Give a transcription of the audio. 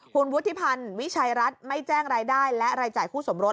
คุณวุฒิพันธ์วิชัยรัฐไม่แจ้งรายได้และรายจ่ายคู่สมรส